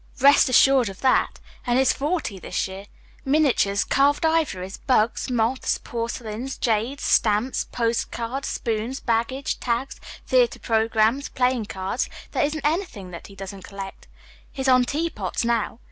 Rest assured of that and he's forty this year. Miniatures, carved ivories, bugs, moths, porcelains, jades, stamps, postcards, spoons, baggage tags, theatre programs, playing cards there isn't anything that he doesn't collect. He's on teapots, now.